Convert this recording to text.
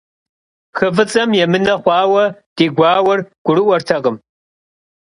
Xı f'ıts'em yêmıne xhuaue di guauer gurı'uertekhım.